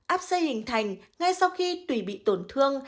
áp xây hình thành ngay sau khi tùy bị tổn thương